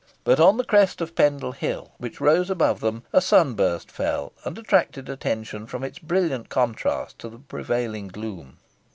But on the crest of Pendle Hill, which rose above them, a sun burst fell, and attracted attention from its brilliant contrast to the prevailing gloom.